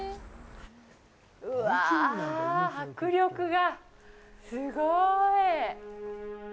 うわあ、迫力がすごーい。